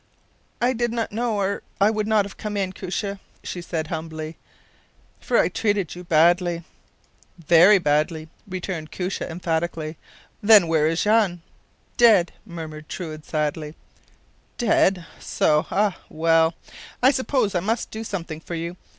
“I did not know, or I would not have come in, Koosje,” she said, humbly; “for I treated you very badly.” “Ve ry bad ly,” returned Koosje, emphatically. “Then where is Jan?” “Dead!” murmured Truide, sadly. “Dead! so ah, well! I suppose I must do something for you.